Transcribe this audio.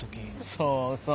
そうそう。